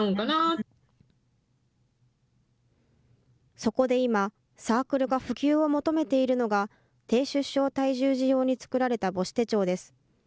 そこで今、サークルが普及を求めているのが、低出生体重児用に作られた母子手帳です。